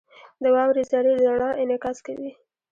• د واورې ذرې د رڼا انعکاس کوي.